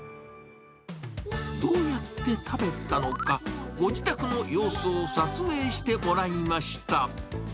どうやって食べたのか、ご自宅の様子を撮影してもらいました。